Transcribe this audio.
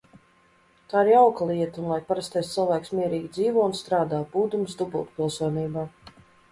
Tā ir jauka lieta, un lai parastais cilvēks mierīgi dzīvo un strādā, būdams dubultpilsonībā.